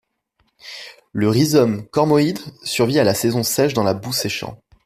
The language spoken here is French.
Le rhizome cormoïde survit à la saison sèche dans la boue séchant.